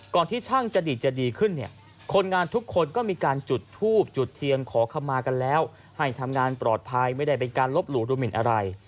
ที่ช่างจะดีดจะดีขึ้นเนี่ยคนงานทุกคนก็มีการจุดทูบจุดเทียนขอขมากันแล้วให้ทำงานปลอดภัยไม่ได้เป็นการลบหลู่ดูหมินอะไร